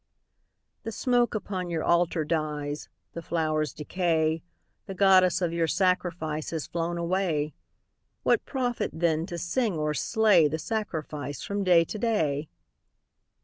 _) The smoke upon your Altar dies, The flowers decay, The Goddess of your sacrifice Has flown away. What profit, then, to sing or slay The sacrifice from day to day?